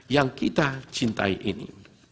yang kita cintai ini